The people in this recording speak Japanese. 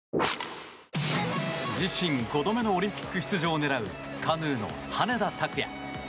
自身５度目のオリンピック出場を狙うカヌーの羽根田卓也。